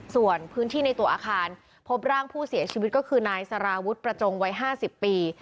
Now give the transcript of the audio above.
ส่วนพื้นที่ในตัวอาคารพบร่างผู้เสียชีวิตก็คือนายสารวุฒิประจงวัย๕๐ปี